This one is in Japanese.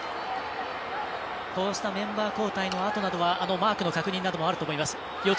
こうしたメンバー交代のあとなどはマークの確認などがあると思います。